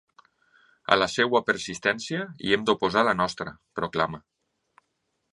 A la seva persistència, hi hem d’oposar la nostra, proclama.